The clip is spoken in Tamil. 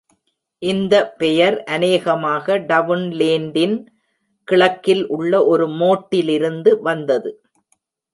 இந்த பெயர் அநேகமாக டவுன்லேண்டின் கிழக்கில் உள்ள ஒரு மோட்டிலிருந்து வந்தது.